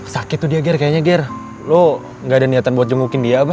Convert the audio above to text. sakit tuh dia ger kayaknya ger lu gak ada niatan buat jengukin dia apa